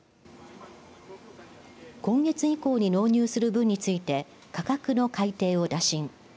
今月以降に納入する分について価格の改定を打診。